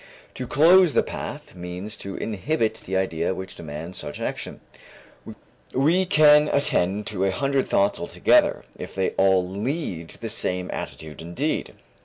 To close the path means to inhibit the idea which demands such action. We can attend to a hundred thoughts together, if they all lead to the same attitude and deed.